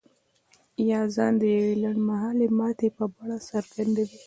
يا ځان د يوې لنډ مهالې ماتې په بڼه څرګندوي.